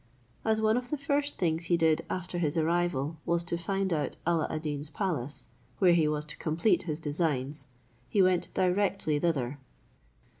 As one of the first things he did after his arrival was to find out Alla ad Deen's palace, where he was to complete his designs, he went directly thither.